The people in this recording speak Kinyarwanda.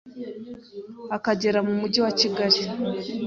akagera mu mujyi wa Kigali